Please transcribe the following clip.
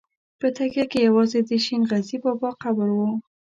په تکیه کې یوازې د شین غزي بابا قبر و.